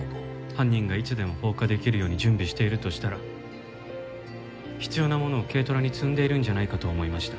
犯人がいつでも放火できるように準備しているとしたら必要なものを軽トラに積んでいるんじゃないかと思いました。